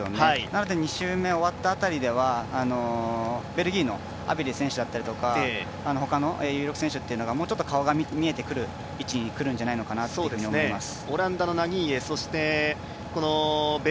なので２周目終わった辺りではベルギーのアブディ選手だったりほかの選手っていうのがもうちょっと顔が見えてくる位置に来るんじゃないかなって思います。